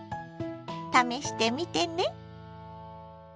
試してみてね。